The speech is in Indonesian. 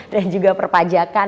dan juga perpajakan